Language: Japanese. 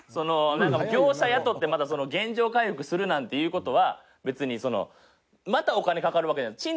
業者雇って原状回復するなんていうことはまたお金かかるわけじゃないですか。